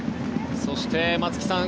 そして、松木さん